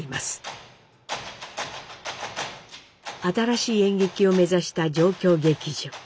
新しい演劇を目指した状況劇場。